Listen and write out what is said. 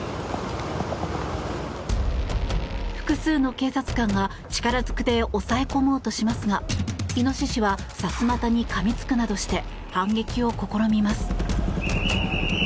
複数の警察官が力ずくで押さえ込もうとしますがイノシシはさすまたにかみつくなどして反撃を試みます。